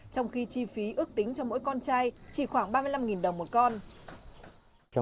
trong khi chi phí ước tính cho mỗi con trai chỉ khoảng ba mươi năm đồng một con